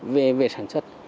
về sản xuất